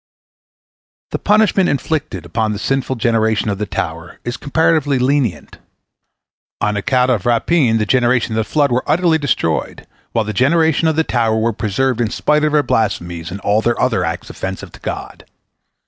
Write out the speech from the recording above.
The punishment inflicted upon the sinful generation of the tower is comparatively lenient. On account of rapine the generation of the flood were utterly destroyed, while the generation of the tower were preserved in spite of their blasphemies and all their other acts offensive to God.